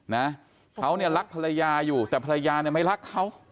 นะเขาเนี่ยรักภรรยาอยู่แต่ภรรยาเนี่ยไม่รักเขา